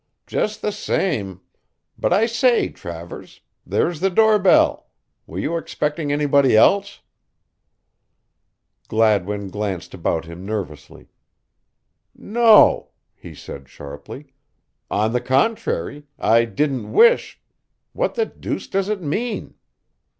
"Just the same but I say, Travers, there's the door bell. Were you expecting anybody else." Gladwin glanced about him nervously. "No," he said sharply. "On the contrary, I didn't wish what the deuce does it mean?"